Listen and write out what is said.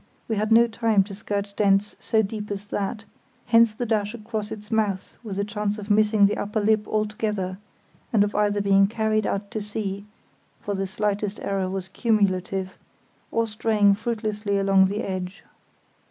We had no time to skirt dents so deep as that; hence the dash across its mouth with the chance of missing the upper lip altogether, and of either being carried out to sea (for the slightest error was cumulative) or straying fruitlessly along the edge.